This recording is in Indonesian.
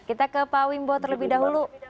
kita ke pak wimbo terlebih dahulu